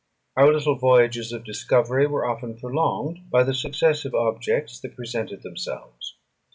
Our little voyages of discovery were often prolonged by the successive objects that presented themselves.